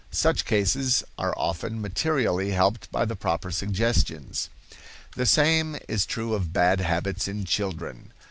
Such cases are often materially helped by the proper suggestions. The same is true of bad habits in children.